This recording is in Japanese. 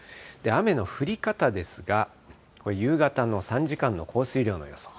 雨の降り方ですが、夕方の３時間の降水量の予想。